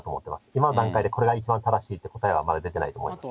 今の段階で、これが一番正しいっていう答えはまだ出てないと思います。